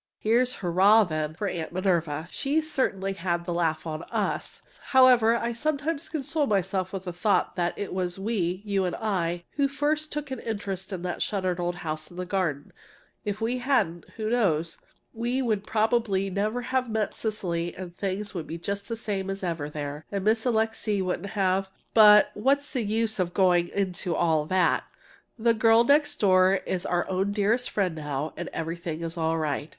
Here's "Hurrah!" then, for Aunt Minerva! She certainly had the laugh on us! However, I sometimes console myself with the thought that it was we (you and I) who first took an interest in that shuttered old house in the garden. If we hadn't who knows? we would probably never have met Cecily, and things would be just the same as ever there, and Miss Alixe wouldn't have But what's the use of going into all that! The "girl next door" is our own dearest friend now, and everything is all right.